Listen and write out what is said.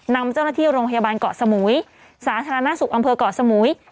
นำเจ้าหน้าที่โรงพยาบาลเกาะสมุยสาธารณสุขอำเภอกเกาะสมุย